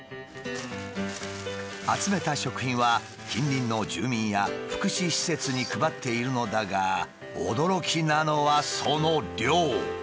集めた食品は近隣の住民や福祉施設に配っているのだが驚きなのはその量。